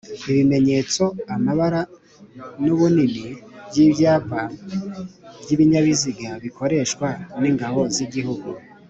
Ibimenyetso, amabara n’ubunini by’ibyapa by’ibinyabiziga bikoreshwa n’ Ingabo z’Igihugu